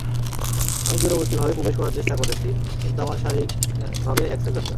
আমি দূরবর্তীভাবে প্রবেশ করার চেষ্টা করেছি, কিন্তু আমার শারীরিক ভাবে অ্যাক্সেস দরকার।